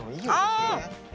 あ！